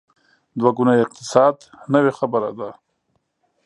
دوه ګونی اقتصاد نوې خبره ده.